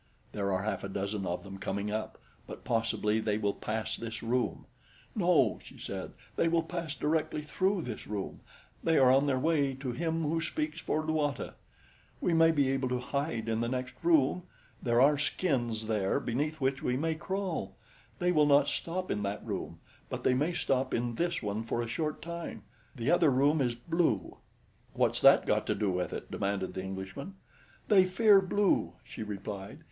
"There are half a dozen of them coming up; but possibly they will pass this room." "No," she said, "they will pass directly through this room they are on their way to Him Who Speaks for Luata. We may be able to hide in the next room there are skins there beneath which we may crawl. They will not stop in that room; but they may stop in this one for a short time the other room is blue." "What's that go to do with it?" demanded the Englishman. "They fear blue," she replied.